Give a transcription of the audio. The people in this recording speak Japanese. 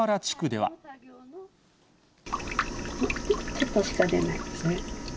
ちょっとしか出ないですね。